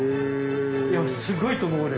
いやすごいと思う俺。